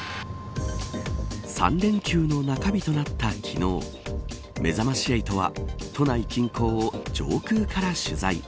３連休の中日となった昨日めざまし８は都内近郊を上空から取材。